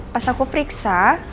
pas aku periksa